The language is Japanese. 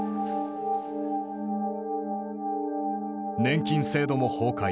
年金制度も崩壊。